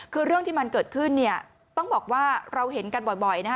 คือเรื่องที่มันเกิดขึ้นเนี่ยต้องบอกว่าเราเห็นกันบ่อยนะฮะ